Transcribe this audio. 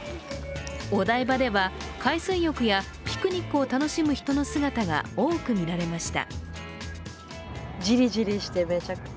お台場では海水浴やピクニックを楽しむ人の姿が多く見られました。